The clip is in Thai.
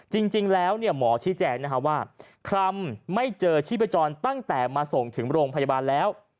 จริงแล้วหมอชี้แจงว่าคลำไม่เจอชีพจรตั้งแต่มาส่งถึงโรงพยาบาลแล้ว